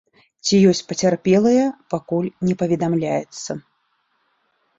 Ці ёсць пацярпелыя, пакуль не паведамляецца.